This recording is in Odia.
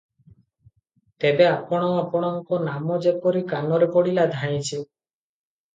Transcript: ତେବେ ମଧ୍ୟ ଆପଣଙ୍କ ନାମ ଯେପରି କାନରେ ପଡ଼ିଲା ଧାଇଁଛି ।"